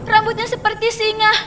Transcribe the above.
rambutnya seperti singa